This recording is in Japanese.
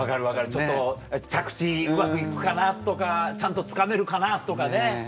ちょっと着地うまく行くかな？とかちゃんとつかめるかな？とかね。